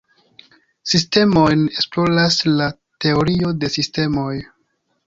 Sistemojn esploras la teorio de sistemoj.